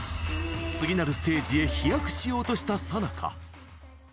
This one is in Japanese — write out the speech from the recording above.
次なるステージへ飛躍しようとしたさなか。